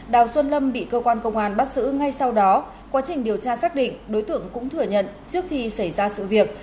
đào xuân lâm bị cơ quan công an bắt giữ ngay sau đó quá trình điều tra xác định đối tượng cũng thừa nhận trước khi xảy ra sự việc